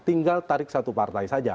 tinggal tarik satu partai saja